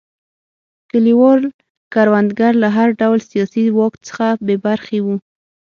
کلیوال کروندګر له هر ډول سیاسي واک څخه بې برخې وو.